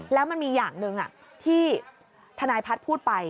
แล้วมันมีอย่างหนึ่งที่ทนายพัฒน์พูดไป